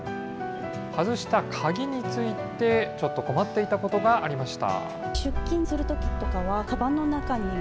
外した鍵について、ちょっと困っていたことがありました。